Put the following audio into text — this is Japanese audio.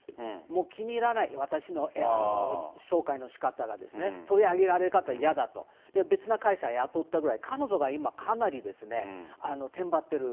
もう気に入らない、私の紹介のしかたがですね、取り上げられ方やだと、別の会社を雇ったぐらい、彼女が今、かなりてんぱってる、